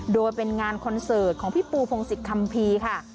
โดยเป็นงานคอนเสิร์ตของพี่ปูพงศิษยคัมภีร์ค่ะ